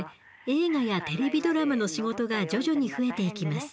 映画やテレビドラマの仕事が徐々に増えていきます。